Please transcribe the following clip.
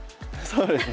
そうですね。